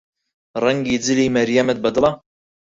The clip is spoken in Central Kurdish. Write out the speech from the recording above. ڕەنگی جلی مەریەمت بەدڵە؟